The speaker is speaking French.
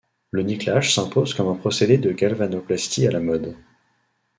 Le nickelage s'impose comme un procédé de galvanoplastie à la mode.